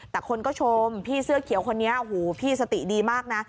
แต่คนก็ชมพี่เสื้อเขียวคนนี้หูพี่สติดีมากนะ